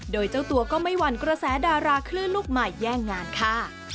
โดยเจ้าตัวก็ไม่หวั่นกระแสดาราคลื่นลูกใหม่แย่งงานค่ะ